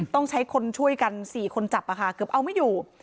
ต้องใช้คนช่วยกัน๔คนจับเกือบเอาไม่อยู่